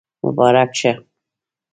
مبارک شه